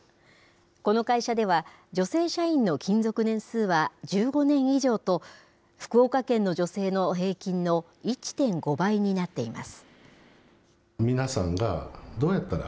この会社では、女性社員の勤続年数は１５年以上と、福岡県の女性の平均の１．５倍になっています。